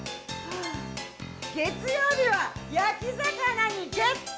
月曜日は、焼き魚に決定！